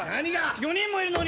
４人もいるのに。